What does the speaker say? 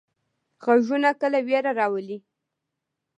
غږونه کله ویره راولي.